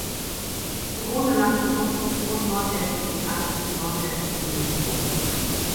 Zugrunde lag das Motto: Quod non est in actis, non est in mundo.